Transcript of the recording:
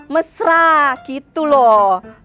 mesra gitu loh